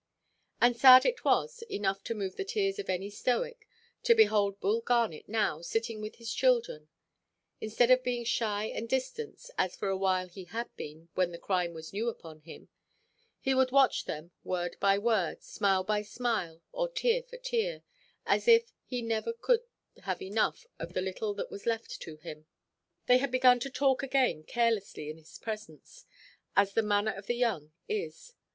And sad it was, enough to move the tears of any Stoic, to behold Bull Garnet now sitting with his children. Instead of being shy and distant (as for a while he had been, when the crime was new upon him) he would watch them, word by word, smile by smile, or tear for tear, as if he never could have enough of the little that was left to him. They had begun to talk again carelessly in his presence, as the manner of the young is.